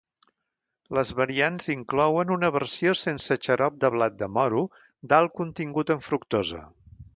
Les variants inclouen una versió sense xarop de blat de moro d'alt contingut en fructosa.